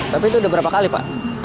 tapi itu udah berapa kali pak